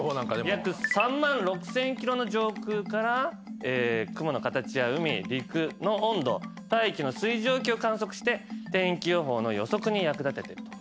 約３万６，０００ｋｍの上空から雲の形や海陸の温度大気の水蒸気を観測して天気予報の予測に役立ててると。